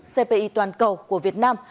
cpi toàn cầu của việt nam